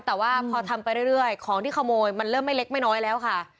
แต่ว่าพอทำไปเรื่อยของที่ขโมยมันเริ่มไม่เล็กไม่น้อยแล้วค่ะ